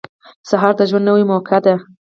• سهار د ژوند نوې موقع ده.